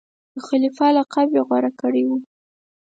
د خلیفه لقب یې غوره کړی وو.